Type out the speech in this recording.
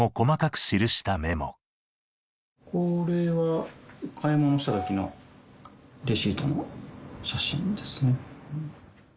これは買い物した時のレシートの写真ですね。